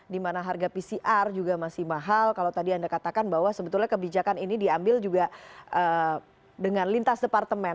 dimana harga pcr juga masih mahal kalau tadi anda katakan bahwa sebetulnya kebijakan ini diambil juga dengan lintas departemen